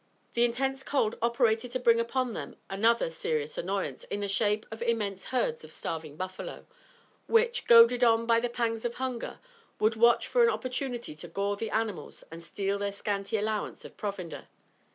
The intense cold operated to bring upon them another serious annoyance in the shape of immense herds of starving buffalo, which, goaded on by the pangs of hunger, would watch for an opportunity to gore the animals and steal their scanty allowance of provender.